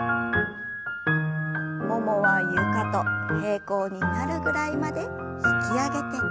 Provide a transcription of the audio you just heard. ももは床と平行になるぐらいまで引き上げて。